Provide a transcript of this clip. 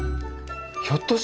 ひょっとして